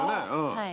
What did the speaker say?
はい。